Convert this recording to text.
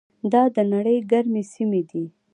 دا د نړۍ ګرمې سیمې دي.